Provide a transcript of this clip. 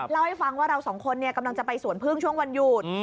เล่าให้ฟังว่าเราสองคนกำลังจะไปสวนพึ่งช่วงวันหยุด